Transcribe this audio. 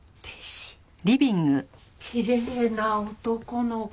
きれいな男の子だねえ。